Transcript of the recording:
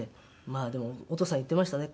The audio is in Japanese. まあでもお父さん言ってましたね。